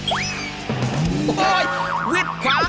โอ้โหวิดขวา